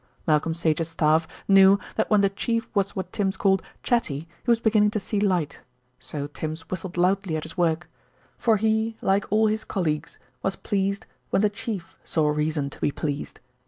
Malcolm Sage's staff knew that when "the Chief" was what Tims called "chatty" he was beginning to see light, so Tims whistled loudly at his work: for he, like all his colleagues, was pleased when "the Chief" saw reason to be pleased.